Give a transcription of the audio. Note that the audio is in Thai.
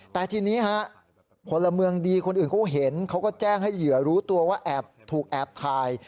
แต่ทีนี้ฮะพลเมืองดีคนอื่นเขาเห็นเขาก็แจ้งให้เหยื่อรู้ตัวว่าแอบถูกแอบถ่าย